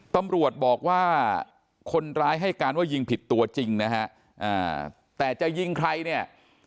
ตำรวจบอกว่าคนร้ายให้การว่ายิงผิดตัวจริงนะฮะแต่จะยิงใครเนี่ย